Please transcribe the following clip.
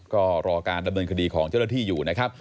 ก็รอการดำเนินคดีของเจ้าหน้าที่อยู่นะครับ